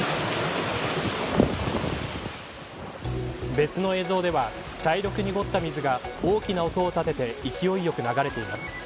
別の映像では、茶色く濁った水が大きな音を立てて勢いよく流れています。